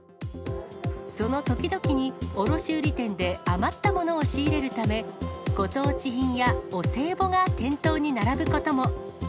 その時々に卸売り店で余ったものを仕入れるため、ご当地品やお歳暮が店頭に並ぶことも。